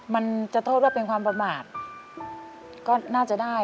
มันจะโทษว่าเป็นความประมาทก็น่าจะได้